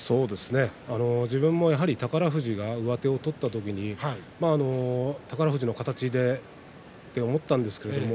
自分も宝富士が上手を取った時に宝富士の形でと思ったんですけれど